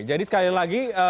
jadi sekali lagi